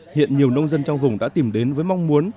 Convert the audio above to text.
hiện nhiều nông dân trong vùng đã tìm đến với mong muốn